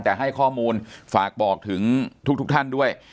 แต่ให้ข้อมูลฝากบอกถึงทุกท่านด้วย